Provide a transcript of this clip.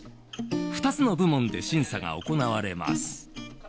２つの部門で審査が行われます。